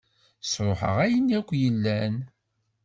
Ṣṛuḥeɣ ayen akk yellan.